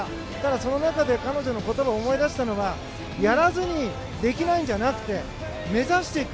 その中で彼女の言葉を思い出したのはやらずにできないんじゃなくて目指していく。